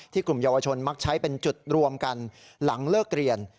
กลุ่มเยาวชนมักใช้เป็นจุดรวมกันหลังเลิกเรียน